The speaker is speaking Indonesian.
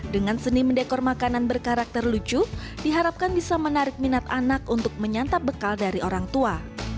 dengan seni mendekor makanan berkarakter lucu diharapkan bisa menarik minat anak untuk menyantap bekal dari orang tua